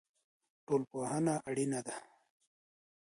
ټولنپوهنه اړینه ده.